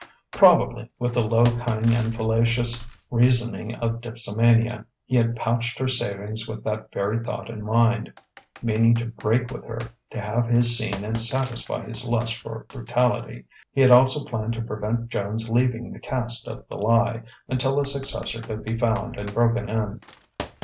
Probably, with the low cunning and fallacious reasoning of dipsomania, he had pouched her savings with that very thought in mind. Meaning to break with her, to have his scene and satisfy his lust for brutality, he had also planned to prevent Joan's leaving the cast of "The Lie" until a successor could be found and broken in.